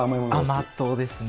甘党ですね。